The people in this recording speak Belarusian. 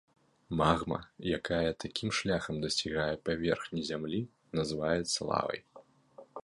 Магма, якая такім шляхам дасягае паверхні зямлі, называецца лавай.